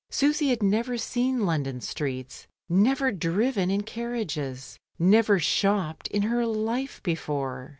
Susy had never seen London streets, never driven in carriages, never shopped in her life before.